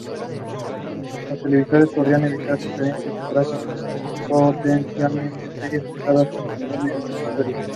Los televidentes podían enviar sugerencias de frases que potencialmente serían usadas en algún episodio.